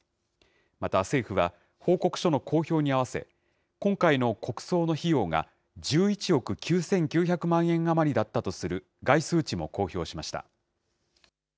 また、政府は報告書の公表に合わせ、今回の国葬の費用が１１億９９００万円余りだったとする概数値も公表しました。